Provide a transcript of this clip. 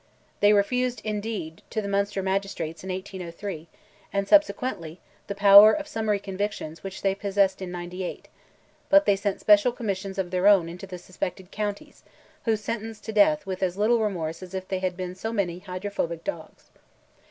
They refused, indeed, to the Munster magistrates in 1803, and subsequently, the power of summary convictions which they possessed in '98; but they sent special Commissions of their own into the suspected counties, who sentenced to death with as little remorse as if they had been so many hydrophobic dogs.